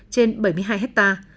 trên bảy mươi hai ha